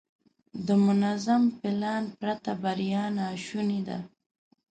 د منظم پلان پرته بریا ناشونې ده.